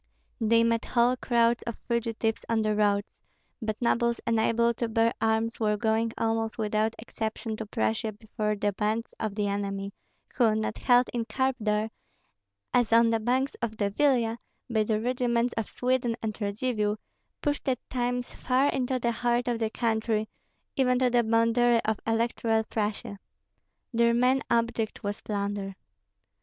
They met whole crowds of fugitives on the roads; but nobles unable to bear arms were going almost without exception to Prussia before the bands of the enemy, who, not held in curb there, as on the banks of the Vilia, by the regiments of Sweden and Radzivill, pushed at times far into the heart of the country, even to the boundary of Electoral Prussia. Their main object was plunder.